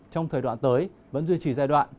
trong thời đoạn tới vẫn duy trì giai đoạn